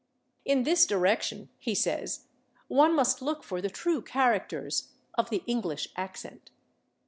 In this direction, he says, one must look for the true characters "of the English accent."